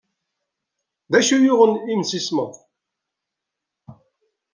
D acu ay yuɣen imsismeḍ?